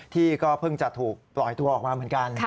ที่ก็เพิ่งจะถูกปล่อยตัวออกมาเหมือนกัน